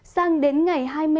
sang đến ngày hai mươi năm